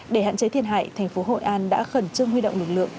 để hạn chế thiệt hại thành phố hội an đã khẩn trương huy động lực lượng